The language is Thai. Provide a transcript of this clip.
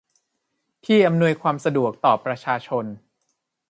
ที่อำนวยความสะดวกต่อประชาชน